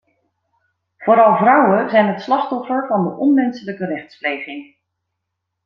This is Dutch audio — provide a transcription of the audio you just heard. Vooral vrouwen zijn het slachtoffer van de onmenselijke rechtspleging.